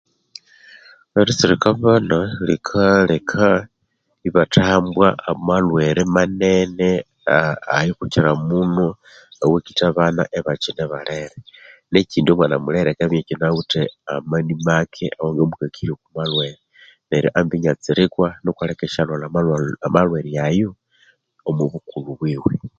Eritsirika abana likaleka ibathahambwa amalhwere manene ayo kukyiramuno awakitha abana ibakyine balere nekyindi omwana mulere akabya inyakyinawithe mani make awanga mukakirya oku malhwere. Neryo ambi inyatsirikwa alekiri syalhwalha amalhwere malhwere ayo omu bukulhu bwiwe